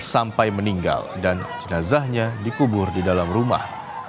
sampai meninggal dan jenazahnya dikubur di dalam rumah